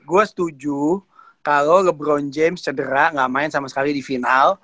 gue setuju kalau ngebron james cedera gak main sama sekali di final